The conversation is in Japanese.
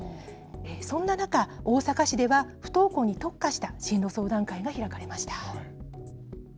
そんな中、大阪市では、不登校に特化した進路相談会が開かれました。